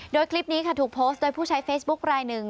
โดยคลิปนี้ค่ะถูกโพสต์โดยผู้ใช้เฟซบุ๊คลายหนึ่ง